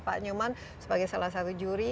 pak nyoman sebagai salah satu juri